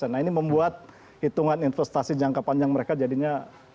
nah ini membuat hitungan investasi jangka panjang mereka jadinya